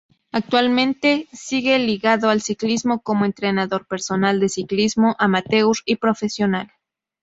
Actualmente sigue ligado al ciclismo como entrenador personal de ciclismo amateur y profesional.